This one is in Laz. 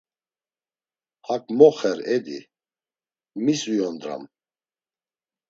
Hak mo xer Edi, mis uyondram?